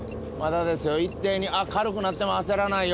あっ軽くなっても焦らないよ。